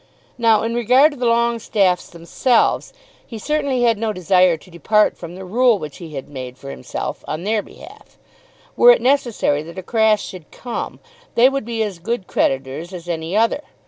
Now in regard to the Longestaffes themselves, he certainly had no desire to depart from the rule which he had made for himself, on their behalf. Were it necessary that a crash should come they would be as good creditors as any other.